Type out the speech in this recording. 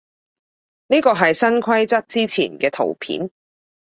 呢個係新規則之前嘅圖片